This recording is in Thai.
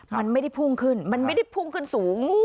มันไม่ได้พุ่งขึ้นมันไม่ได้พุ่งขึ้นสูง